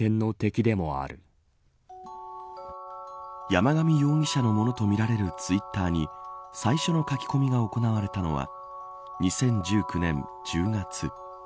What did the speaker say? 山上容疑者のものとみられるツイッターに最初の書き込みが行われたのは２０１９年１０月。